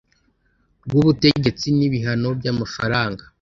rw ubutegetsi n ibihano by amafaranga